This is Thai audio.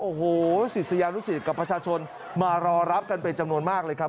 โอ้โหศิษยานุสิตกับประชาชนมารอรับกันเป็นจำนวนมากเลยครับ